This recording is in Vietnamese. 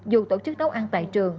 dù tổ chức nấu ăn tại trường